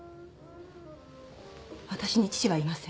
私に父はいません